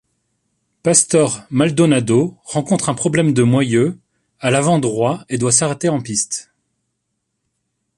Pastor Maldonado rencontre un problème de moyeu à l'avant-droit et doit s'arrêter en piste.